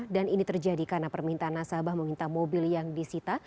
dan ini terjadi karena permintaan nasabah menginta mobil yang disita